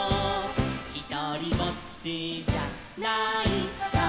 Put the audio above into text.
「ひとりぼっちじゃないさ」